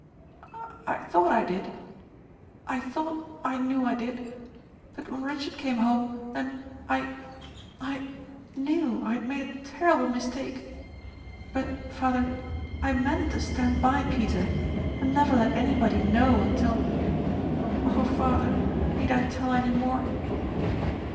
"I thought I did. I thought I knew I did, but when Richard came home then I I knew I had made a terrible mistake; but, father, I meant to stand by Peter and never let anybody know until Oh, father, need I tell any more?"